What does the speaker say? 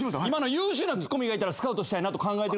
優秀なツッコミがいたらスカウトしたいと考えてるんです。